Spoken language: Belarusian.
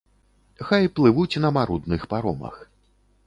Хай плывуць на марудных паромах.